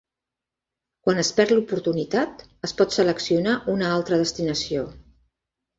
Quan es perd l'oportunitat, es pot seleccionar una altra destinació.